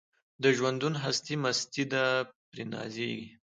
د ژوندون هستي مستي ده پرې نازیږي